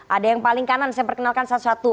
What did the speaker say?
ada yang paling kanan saya perkenalkan satu satu